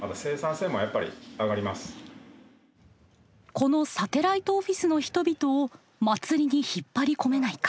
このサテライトオフィスの人々を祭りに引っ張り込めないか。